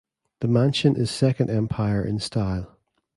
The mansion is Second Empire in style.